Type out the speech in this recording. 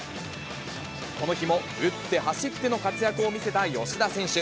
この日も打って走っての活躍を見せた吉田選手。